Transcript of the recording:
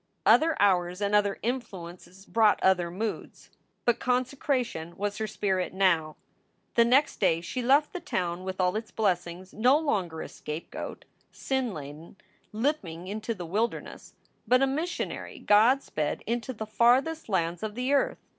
Other hours and other influences brought other moods, but consecration was her spirit now. The next day she left the town with all its blessings, no longer a scapegoat, sin laden, limping into the wilderness, but a missionary God sped into the farthest lands of the earth.